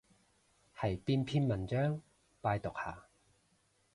係邊篇文章？拜讀下